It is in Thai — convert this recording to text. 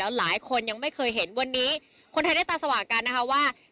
หลายคนยังไม่เคยเห็นวันนี้คนไทยได้ตาสว่างกันนะคะว่า